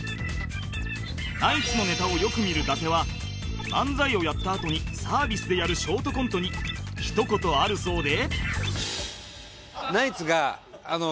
ナイツのネタをよく見る伊達は漫才をやったあとにサービスでやるショートコントにひと言あるそうで